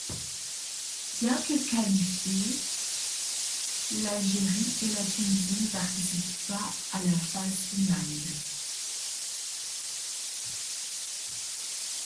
Bien que qualifiées, l'Algérie et la Tunisie ne participent pas à la phase finale.